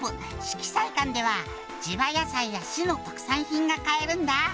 季彩館では地場野菜や市の特産品が買えるんだ」